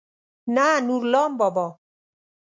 نه نورلام بابا.